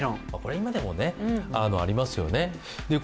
今でもありますよね。